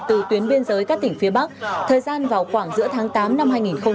từ tuyến biên giới các tỉnh phía bắc thời gian vào khoảng giữa tháng tám năm hai nghìn hai mươi